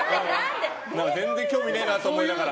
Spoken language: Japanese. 全然興味ねえなって思いながら。